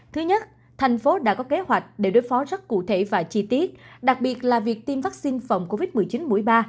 thứ nhất thành phố đã có kế hoạch để đối phó rất cụ thể và chi tiết đặc biệt là việc tiêm vaccine phòng covid một mươi chín mũi ba